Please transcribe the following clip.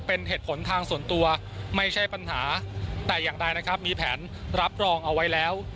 เป็นเหตุผลทางส่วนตัวไม่ใช่ปัญหาแต่อย่างใดนะครับมีแผนรับรองเอาไว้แล้ว